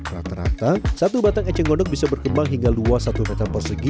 rata rata satu batang eceng gondok bisa berkembang hingga luas satu meter persegi